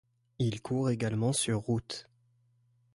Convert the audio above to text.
Il court également sur route.